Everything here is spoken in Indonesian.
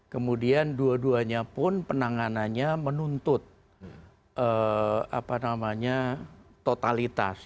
kemudian dua duanya pun penanganannya menuntut totalitas